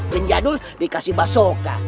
bim jadul dikasih mbak soka